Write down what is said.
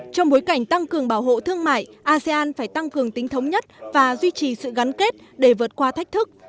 trong bối cảnh tăng cường bảo hộ thương mại asean phải tăng cường tính thống nhất và duy trì sự gắn kết để vượt qua thách thức